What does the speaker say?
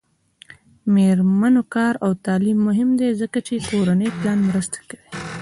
د میرمنو کار او تعلیم مهم دی ځکه چې کورنۍ پلان مرسته کوي.